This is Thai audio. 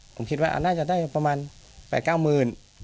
ผมคิดว่าน่าจะได้ประมาณ๘๙หมื่น